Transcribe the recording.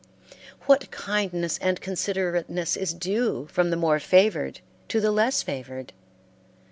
What kindness and considerateness is due from the more favored to the less favored!